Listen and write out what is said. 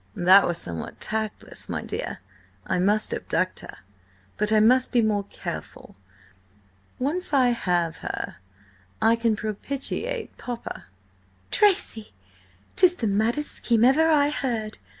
That were somewhat tactless, my dear. I must abduct her, but I must be more careful. Once I have her, I can propitiate Papa." "Tracy, 'tis the maddest scheme ever I heard!